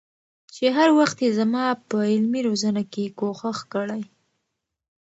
چې هر وخت يې زما په علمي روزنه کي کوښښ کړي